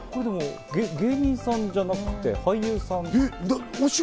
芸人さんじゃなくて俳優さん？